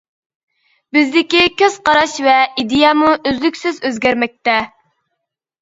بىزدىكى كۆز-قاراش ۋە ئىدىيەمۇ ئۈزلۈكسىز ئۆزگەرمەكتە.